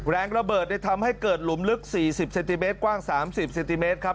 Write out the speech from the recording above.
แรงระเบิดทำให้เกิดหลุมลึก๔๐เซนติเมตรกว้าง๓๐เซนติเมตรครับ